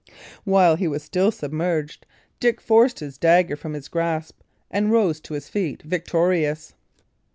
While he was still submerged, Dick forced his dagger from his grasp, and rose to his feet, victorious.